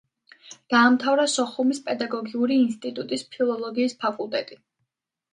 დაამთავრა სოხუმის პედაგოგიური ინსტიტუტის ფილოლოგიის ფაკულტეტი.